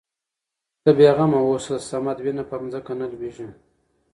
ته بې غمه اوسه د صمد وينه په ځمکه نه لوېږي.